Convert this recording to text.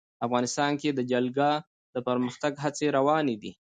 افغانستان کې د جلګه د پرمختګ هڅې روانې دي.